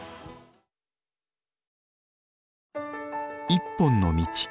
「一本の道」。